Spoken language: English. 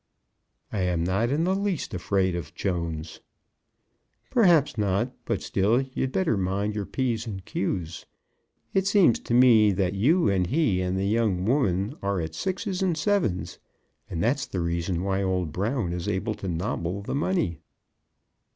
"I am not in the least afraid of Jones." "Perhaps not; but still you'd better mind your P's and Q's. It seems to me that you and he and the young women are at sixes and sevens, and that's the reason why old Brown is able to nobble the money."